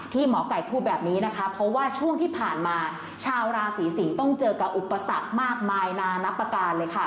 หมอไก่พูดแบบนี้นะคะเพราะว่าช่วงที่ผ่านมาชาวราศีสิงศ์ต้องเจอกับอุปสรรคมากมายนานับประการเลยค่ะ